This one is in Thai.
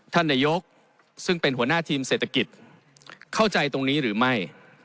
ท่านนายกซึ่งเป็นหัวหน้าทีมเศรษฐกิจเข้าใจตรงนี้หรือไม่